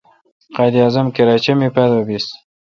قائد اعظم کراچہ می پادو بیس۔